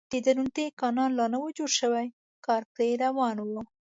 د درونټې کانال لا نه و جوړ شوی کار پرې روان و.